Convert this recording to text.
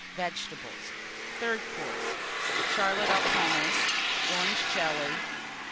Vegetables. THIRD COURSE. Charlotte aux Pommes. Orange Jelly.